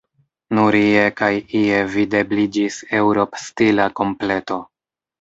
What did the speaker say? Nur ie kaj ie videbliĝis Eŭropstila kompleto.